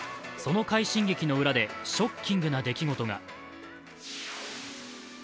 その快進撃の裏でショッキングな出来事が。